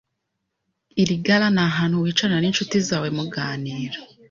iligala ni hantu wicarana ninshuti zawe muganira